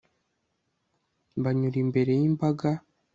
banyura imbere y'imbaga